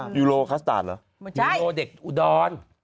ค่ะยูโรคัสตาร์ดเหรอไม่ใช่ยูโรเด็กอุดร